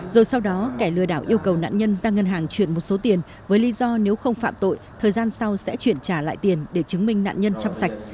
rồi sau đó kẻ lừa đảo yêu cầu nạn nhân ra ngân hàng chuyển một số tiền với lý do nếu không phạm tội thời gian sau sẽ chuyển trả lại tiền để chứng minh nạn nhân trong sạch